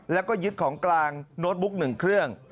แล้วก็ยึดของกลางโน้ตบุ๊ก๑เครื่อง